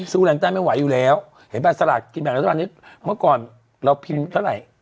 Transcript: สู้แรงต้านไม่ไหวอยู่แล้วเห็นป่าสลัดกินแบบนี้เมื่อก่อนเราพิมพ์เท่าไร